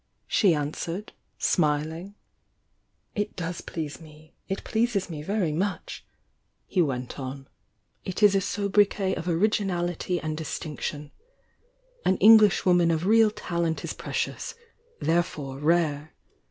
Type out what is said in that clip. she answered, smiling. "It does please me — it pleases me very much" — 156 THE YOUNG DIANA i i > he went on — "it is a sobriquet of originality and dis tinction. An Englishwoman of real talent is pre cious — therefore rare.